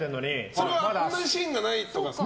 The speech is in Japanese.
それは同じシーンがないとかですか？